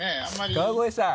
川越さん。